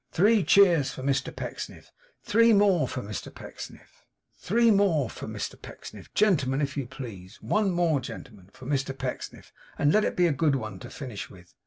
Three cheers for Mr Pecksniff! Three more for Mr Pecksniff! Three more for Mr Pecksniff, gentlemen, if you please! One more, gentlemen, for Mr Pecksniff, and let it be a good one to finish with!